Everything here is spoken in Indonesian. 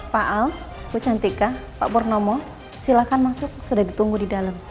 pak al bu cantika pak purnomo silakan masuk sudah ditunggu di dalam